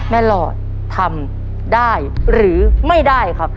หลอดทำได้หรือไม่ได้ครับ